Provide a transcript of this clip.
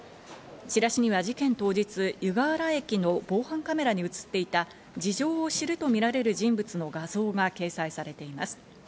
チラシには事件当日、湯河原駅の防犯カメラに映っていた事情を知るとみられる人物の画像が掲載されています。